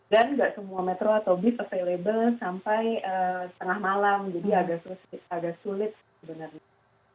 dan gak semua metro atau bis available sampai tengah malam jadi agak sulit sebenarnya